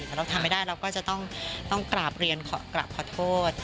แต่เราทำไม่ได้เราก็จะต้องกราบเรียนกราบขอโทษ